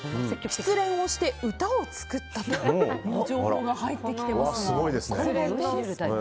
失恋をして、歌を作ったという情報が入ってきてますが。